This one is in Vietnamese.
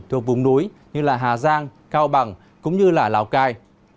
thuộc vùng núi như hà giang cao bằng cũng như là lào cai